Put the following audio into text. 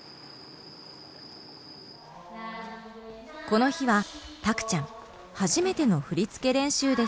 この日はたくちゃん初めての振り付け練習ですが。